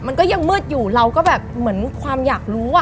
มันก็ยังมืดอยู่เราก็แบบเหมือนความอยากรู้อ่ะ